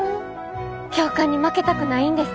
教官に負けたくないんです。